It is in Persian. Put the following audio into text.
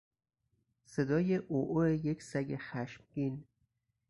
صدای عوعو یک سگ خشمگین